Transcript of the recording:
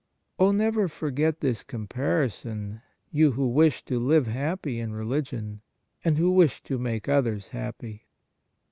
Oh, never forget this comparison, you who wish to live happy in religion, and who wish to make others happy.